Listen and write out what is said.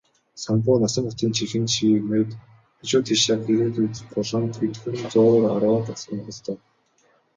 Самбуу Насанбатын чихэнд шивгэнээд хажуу тийшээ гүрвэл мэт гулган төдхөн зуур арваад алхам холдов.